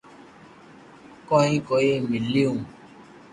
ڪوئي ڪوئي ميليو